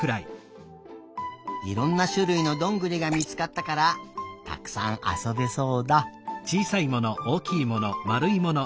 いろんなしゅるいのどんぐりがみつかったからたくさんあそべそうだ。